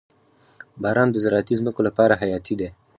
• باران د زراعتي ځمکو لپاره حیاتي دی.